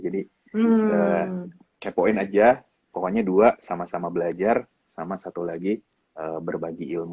jadi kepoin aja pokoknya dua sama sama belajar sama satu lagi berbagi ilmu